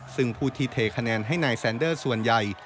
ซึ่งผู้ที่เทคะแนนให้นายแซนเดอร์ส่วนใหญ่